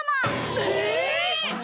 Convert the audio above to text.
え！